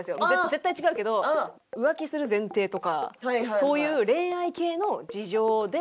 絶対違うけど浮気する前提とかそういう恋愛系の事情で。